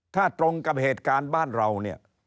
ถ้าตรงกับเหตุการณ์บ้านเราเนี่ย